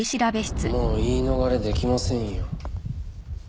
もう言い逃れできませんよ。